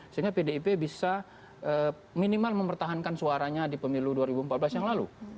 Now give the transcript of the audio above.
sehingga pdip bisa minimal mempertahankan suaranya di pemilu dua ribu empat belas yang lalu